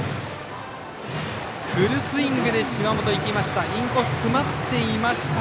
フルスイングで、芝本いきました。